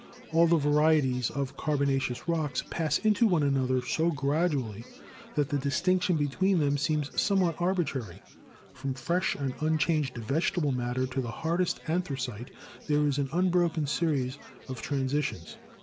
All the varieties of carbonaceous rocks pass into one another so STRUCTURAL GEOLOGY 165 gradually that the distinction between them seems some what arbitrary. From fresh and unchanged vegetable matter to the hardest anthracite there is an unbroken series of transitions.